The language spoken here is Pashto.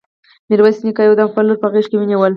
ميرويس نيکه يو دم خپله لور په غېږ کې ونيوله.